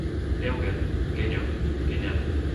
Eugen, Geňo, Geňa